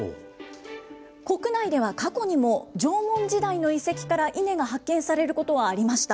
国内では過去にも、縄文時代の遺跡からイネが発見されることはありました。